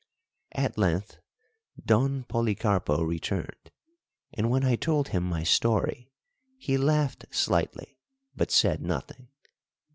At length Don Policarpo returned, and when I told him my story he laughed slightly, but said nothing.